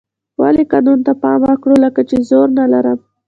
ولې قانون ته پام وکړو لکه چې زور نه لرم.